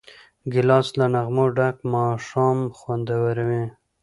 ګیلاس له نغمو ډک ماښام خوندوروي.